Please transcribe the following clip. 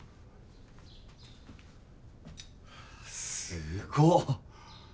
すごっ。